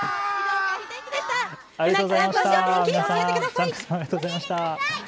船木さん、詳しいお天気、教えてください。